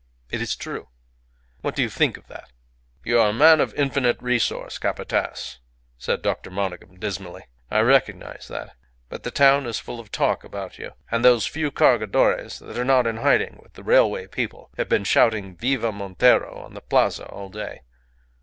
It is true. What do you think of that?" "You are a man of infinite resource, Capataz," said Dr. Monygham, dismally. "I recognize that. But the town is full of talk about you; and those few Cargadores that are not in hiding with the railway people have been shouting 'Viva Montero' on the Plaza all day."